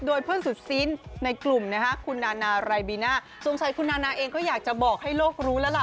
โดยเพื่อนสุดซีนในกลุ่มนะฮะคุณนานารายบีน่าสงสัยคุณนานาเองก็อยากจะบอกให้โลกรู้แล้วล่ะ